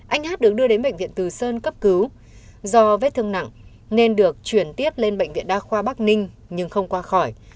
anh hát được đưa đến bệnh viện từ sơn cấp cứu do vết thương nặng nên được chuyển tiếp lên bệnh viện đa khoa bắc ninh nhưng không qua khỏi